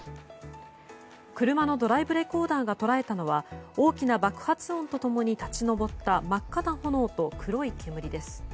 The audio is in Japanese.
車のドライブレコーダーが捉えたのは大きな爆発音と共に立ち上った真っ赤な炎と黒い煙です。